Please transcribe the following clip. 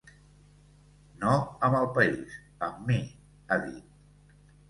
No amb el país, amb mi, ha dit.